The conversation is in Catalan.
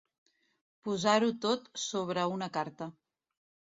Posar-ho tot sobre una carta.